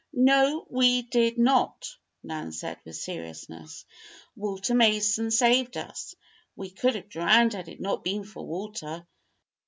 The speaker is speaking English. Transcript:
"No; we did not," Nan said, with seriousness. "Walter Mason saved us. We would have drowned had it not been for Walter."